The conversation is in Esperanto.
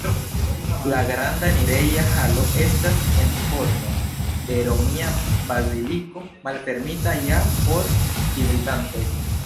La granda enireja halo estas en formo de romia baziliko, malfermita ja por vizitantoj.